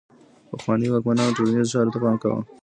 پخوانيو واکمنانو ټولنيزو چارو ته پام کاوه.